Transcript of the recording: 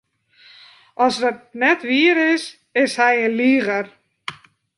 As dat net wier is, is hy in liger.